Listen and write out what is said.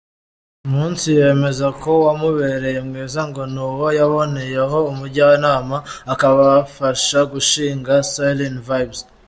Umunsi yemeza ko wamubereye mwiza ngo ni uwo yaboneyeho umujyanama, akabafasha gushinga Clyn Vybz.